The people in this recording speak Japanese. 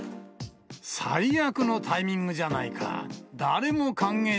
最悪のタイミングじゃないか。